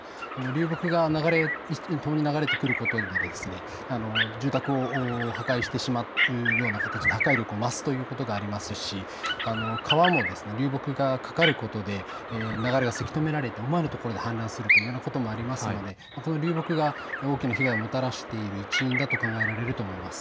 流木が流れてくることで住宅を破壊してしまうような形で破壊力を増すということもありますし、川も流木がかかることで流れがせき止められて思わぬ所で氾濫することもありますので流木が大きな被害をもたらしている一因だと考えられます。